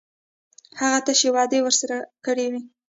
هغوی تشې وعدې ورسره کړې وې.